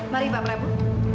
mari pak prabu